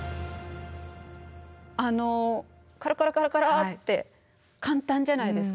あのカラカラカラカラって簡単じゃないですか。